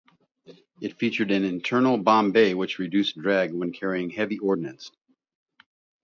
It featured an internal bomb bay that reduced drag when carrying heavy ordnance.